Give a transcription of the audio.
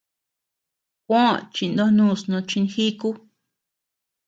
Juó chindonus no chinjíku.